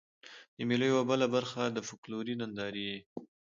د مېلو یوه بله برخه د فکلوري نندارې يي.